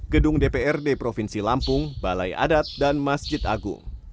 gedung dprd provinsi lampung balai adat dan masjid agung